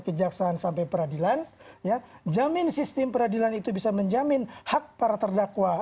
kejaksaan sampai peradilan jamin sistem peradilan itu bisa menjamin hak para terdakwa